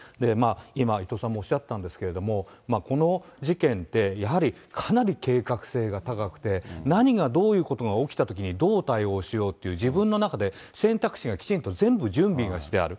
今、伊藤さんもおっしゃったんですけれども、この事件って、やはりかなり計画性が高くて、何が、どういうことが起きたときに、どう対応しようという、自分の中で選択肢がきちんと全部準備がしてある。